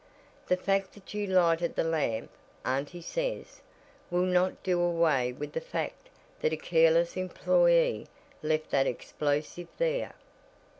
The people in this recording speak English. The fact that you lighted the lamp, auntie says, will not do away with the fact that a careless employee left that explosive there."